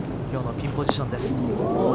今日のピンポジションです。